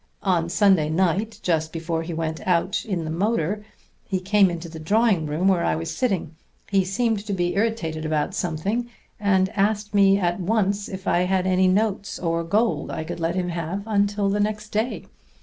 On Sunday night, just before he went out in the motor, he came into the drawing room where I was sitting. He seemed to be irritated about something, and asked me at once if I had any notes or gold I could let him have until next day.